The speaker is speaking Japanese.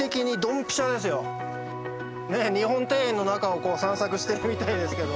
ねえ日本庭園の中をこう散策してるみたいですけど。